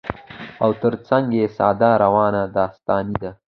او تر څنګ يې ساده، روانه داستاني ده